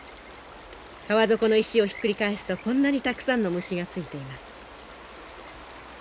川底の石をひっくり返すとこんなにたくさんの虫がついています。